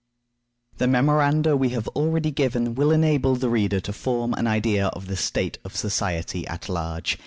The memoranda we have already given will enable the reader to form an idea of the state of society at large.